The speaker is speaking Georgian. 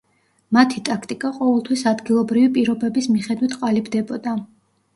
მათი ტაქტიკა ყოველთვის ადგილობრივი პირობების მიხედვით ყალიბდებოდა.